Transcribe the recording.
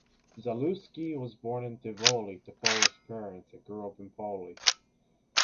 Zalewski was born in Tivoli to Polish parents and grew up in Poli.